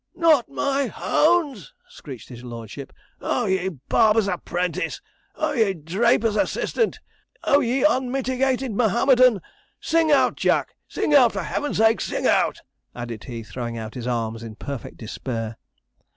'Not my hounds!' screeched his lordship. 'Oh, ye barber's apprentice! Oh, ye draper's assistant! Oh ye unmitigated Mahomedon! Sing out, Jack! sing out! For Heaven's sake, sing out!' added he, throwing out his arms in perfect despair.